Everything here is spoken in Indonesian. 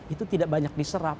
itu tidak banyak diserap